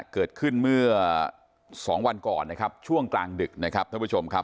เกิดขึ้นเมื่อสองวันก่อนนะครับช่วงกลางดึกนะครับท่านผู้ชมครับ